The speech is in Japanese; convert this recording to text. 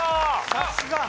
さすが！